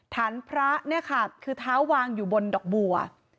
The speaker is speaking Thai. ฐานพระคือเท้าวางอยู่บนดอกบัว